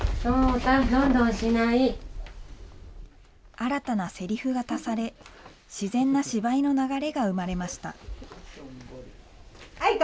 新たなセリフが足され、自然な芝居の流れが生まれました。